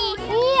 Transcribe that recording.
iya cantik ya